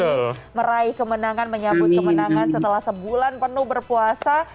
oke meraih kemenangan menyambut kemenangan setelah sebulan penuh berpuasa